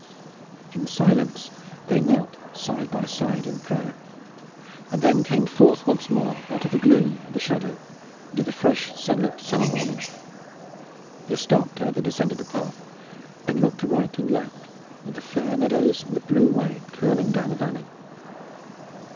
In silence they knelt side by side in prayer, and then came forth once more out of the gloom and the shadow into the fresh sunlit summer morning. They stopped ere they descended the path, and looked to right and left at the fair meadows and the blue Wey curling down the valley.